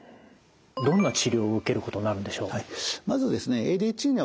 どんな治療を受けることになるんでしょう？